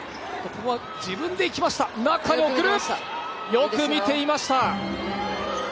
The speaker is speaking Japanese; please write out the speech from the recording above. よく見ていました。